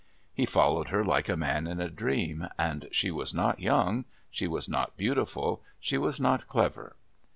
He followed her like a man in a dream, and she was not young, she was not beautiful, she was not clever....